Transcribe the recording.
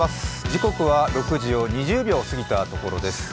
時刻は６時を２０秒過ぎたところです